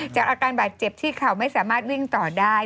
จากอาการบาดเจ็บที่เข่าไม่สามารถวิ่งต่อได้